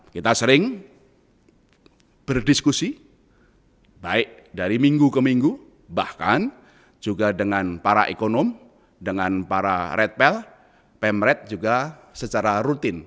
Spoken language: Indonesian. kita sering berdiskusi baik dari minggu ke minggu bahkan juga dengan para ekonom dengan para redpel pemret juga secara rutin